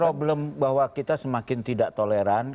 problem bahwa kita semakin tidak toleran